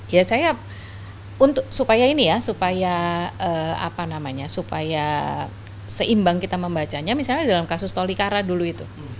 ya saya supaya ini ya supaya apa namanya supaya seimbang kita membacanya misalnya dalam kasus tolikara dulu itu